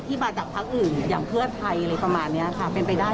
มาจากพักอื่นอย่างเพื่อไทยอะไรประมาณนี้ค่ะเป็นไปได้